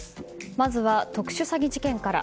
まずは特殊詐欺事件から。